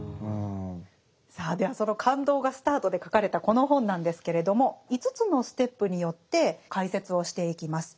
さあではその感動がスタートで書かれたこの本なんですけれども５つのステップによって解説をしていきます。